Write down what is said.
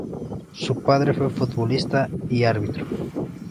Su padre fue futbolista y árbitro.